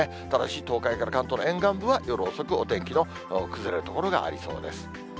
ただし、東海から関東の沿岸部は夜遅く、お天気が崩れる所がありそうです。